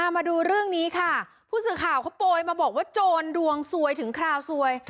มาดูเรื่องนี้ค่ะผู้สื่อข่าวเขาโปรยมาบอกว่าโจรดวงสวยถึงคราวซวย